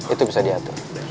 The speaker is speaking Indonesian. itu bisa diatur